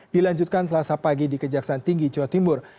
dilanjutkan selasa pagi di kejaksaan tinggi jawa timur